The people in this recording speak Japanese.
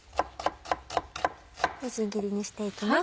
みじん切りにしていきます。